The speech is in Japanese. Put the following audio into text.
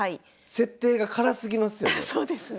設定が辛すぎますよね。